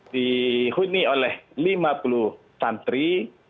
dihuni oleh lima puluh santri